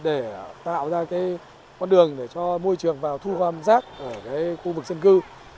để tạo ra cái con đường để cho môi trường vào thu gom rác ở cái khu vực dân cư